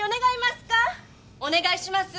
お願いします。